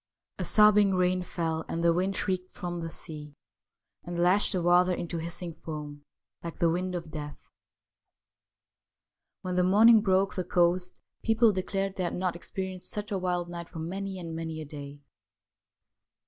A sobbing rain fell, and the wind shrieked from the sea and lashed the water into hissing foam, like the wind of death. When the morning broke the coast people declared they bad not experienced such a wild night for many and many a day.